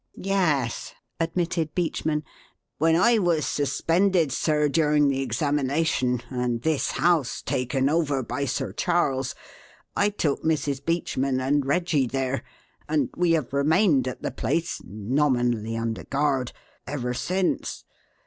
"Yes," admitted Beachman. "When I was suspended, sir, during the examination and this house taken over by Sir Charles, I took Mrs. Beachman and Reggie there, and we have remained at the place, nominally under guard, ever since.